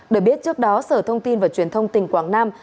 được biết trước đó sở thông tin và truyền thông tỉnh quảng nam